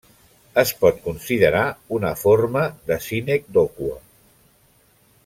Es pot considerar una forma de sinècdoque.